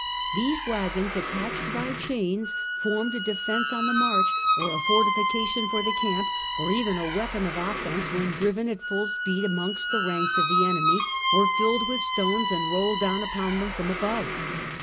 These waggons, attached by chains, formed a defence on the march, or a fortification for the camp, or even a weapon of offence when driven at full speed amongst the ranks of the enemy, or filled with stones and rolled down upon them from above.